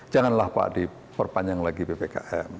janganlah pak diperpanjang lagi ppkm